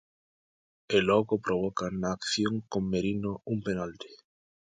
E logo provoca na acción con Merino un penalti.